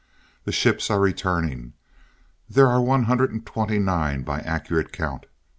"The ships are returning. There are one hundred and twenty nine by accurate count.